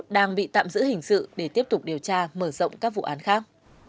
đang bị tạm giữ hình sự để tiếp tục điều tra mở rộng các vụ án khác